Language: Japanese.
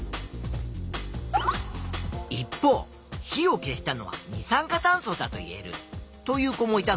一方火を消したのは二酸化炭素だといえるという子もいたぞ。